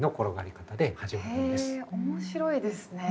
面白いですね。